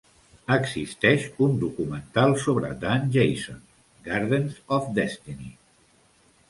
Existeix un documental sobre Dan Jason: "Gardens of Destiny".